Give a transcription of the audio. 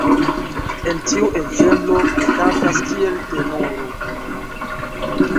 En tiu ensemblo li kantas kiel tenoro.